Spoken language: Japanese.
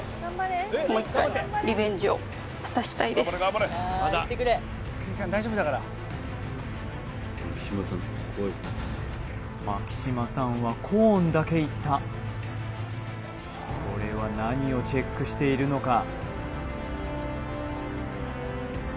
これやっぱり色々皆さんあの牧島さんはコーンだけいったこれは何をチェックしているのか？